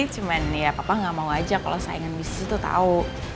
cuman ya papa gak mau aja kalo saingan bisnis itu tau